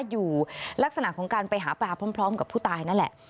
อยู่ลักษณะของการไปหาปลาพร้อมกับผู้ตายนั่นแหละ